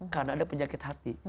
karena ada penyakit hati